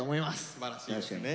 すばらしいですね。